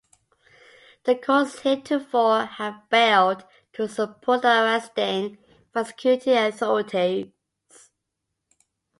The courts heretofore have failed to support the arresting and prosecuting authorities.